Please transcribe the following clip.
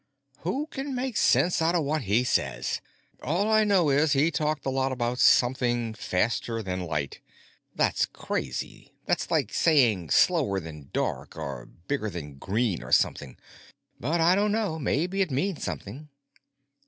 "Who can make sense out of what he says? All I know is, he talked a lot about something faster than light. That's crazy; that's like saying slower than dark, or bigger than green, or something. But I don't know, maybe it means something."